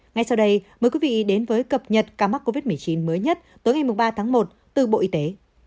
ngay sau đây mời quý vị đến với cập nhật ca mắc covid một mươi chín mới nhất tối ngày ba tháng một từ bộ y tế